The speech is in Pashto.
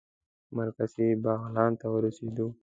مرکزي بغلان ته ورسېدو.